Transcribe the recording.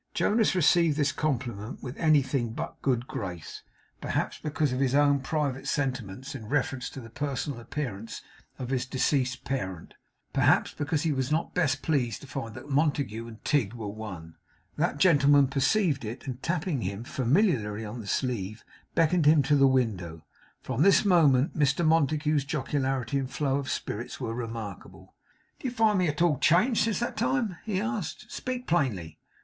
Jonas received this compliment with anything but a good grace, perhaps because of his own private sentiments in reference to the personal appearance of his deceased parent; perhaps because he was not best pleased to find that Montague and Tigg were one. That gentleman perceived it, and tapping him familiarly on the sleeve, beckoned him to the window. From this moment, Mr Montague's jocularity and flow of spirits were remarkable. 'Do you find me at all changed since that time?' he asked. 'Speak plainly.